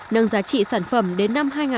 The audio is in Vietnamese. nâng giá trị sản phẩm đến một đồng